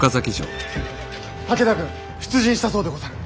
武田軍出陣したそうでござる。